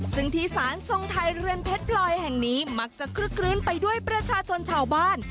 ซึ่งที่สารทรงไทยเรือนเพชรพลอยแห่งนี้มักจะคลึกคลื้นไปด้วยประชาชนชาวบ้าน